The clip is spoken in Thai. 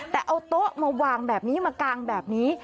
แต่เอาโต๊ะมาวางแบบนี้มากางแบบนี้